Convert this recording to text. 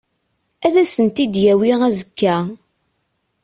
Ad asen-t-id-yawi azekka.